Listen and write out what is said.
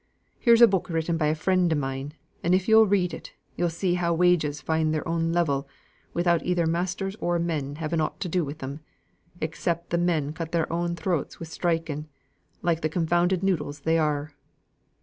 Here's a book written by a friend o' mine, and if yo'll read it yo'll see how wages find their own level, without either masters or men having aught to do with them; except the men cut their own throats wi' striking, like the confounded noodles they are.